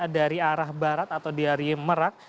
dari arah barat atau dari merak